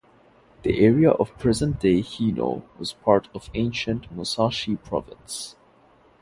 The area of present-day Hino was part of ancient Musashi Province.